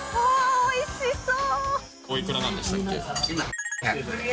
おいしそう。